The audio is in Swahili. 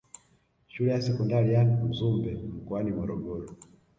Shule ya sekondari ya Mzumbe mkoani Morogoro